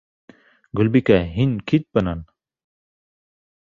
Гөлбикә, һин кит бынан.